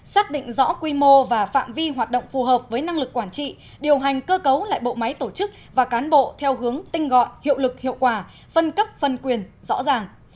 xác định rõ quy mô và phạm vi hoạt động phù hợp với năng lực quản trị điều hành cơ cấu lại bộ máy tổ chức và cán bộ theo hướng tinh gọn hiệu lực hiệu quả phân cấp phân quyền rõ ràng